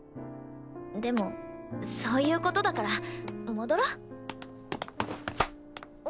でもそういう事だから戻ろう。